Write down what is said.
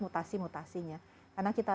mutasi mutasinya karena kita